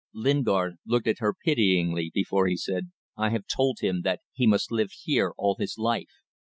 Lingard looked at her pityingly before he said "I have told him that he must live here all his life